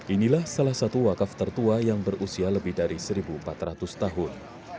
inilah salah satu wakaf tertua yang berusia lebih dari satu empat ratus tahun